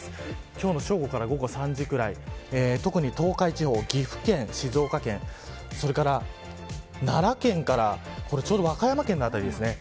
今日の正午から午後３時ぐらい特に東海地方、岐阜県、静岡県それから奈良県から和歌山県の辺りですね